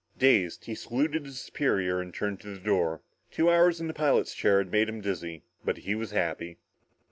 Dazed, he saluted his superior and turned to the door. Two hours in the pilot's chair had made him dizzy. But he was happy.